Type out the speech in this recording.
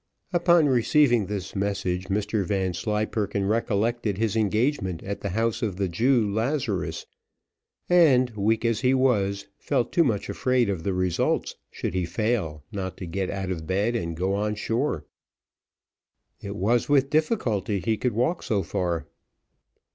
Upon receiving the message, Mr Vanslyperken recollected his engagement at the house of the Jew Lazarus, and weak as he was, felt too much afraid of the results, should he fail, not to get out of bed and go on shore. It was with difficulty he could walk so far.